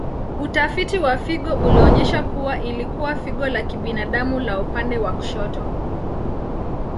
Utafiti wa figo ulionyesha kuwa ilikuwa figo la kibinadamu la upande wa kushoto.